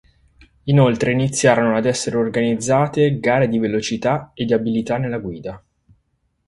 Inoltre iniziarono ad essere organizzate gare di velocità e di abilità nella guida.